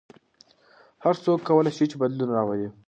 هر څوک کولای شي بدلون راولي.